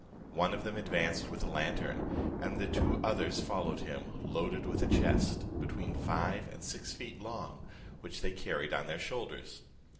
One of them advanced with a lantern, and the two others followed him, loaded with a chest, between five and six feet long, which they carried on their shoulders.